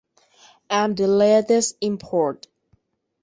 I'm the latest import.